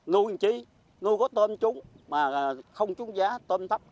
nuôi làm chi nuôi có tôm trúng mà không trúng giá tôm tắp